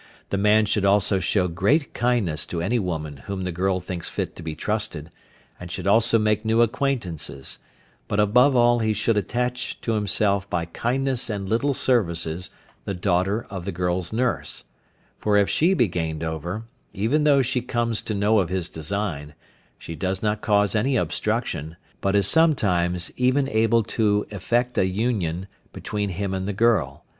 The man should also show great kindness to any woman whom the girl thinks fit to be trusted, and should also make new acquaintances, but above all he should attach to himself by kindness and little services the daughter of the girl's nurse, for if she be gained over, even though she comes to know of his design, she does not cause any obstruction, but is sometimes even able to effect an union between him and the girl.